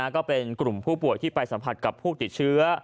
ก็เป็นกลุ่มผู้ป่วยที่ไปสัมผัสกับผู้ติดเชื้อ